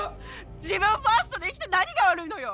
自分ファーストで生きて何が悪いのよ。